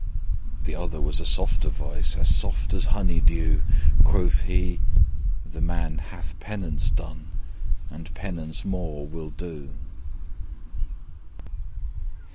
The other was a softer voice, As soft as honey dew: Quoth he, 'The man hath penance done, And penance more will do.'